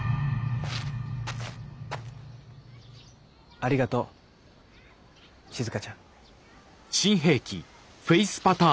ありがとうしずかちゃん。